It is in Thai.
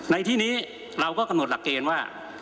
ในที่นี้เราก็กำหนดหลักเกณฑ์ว่า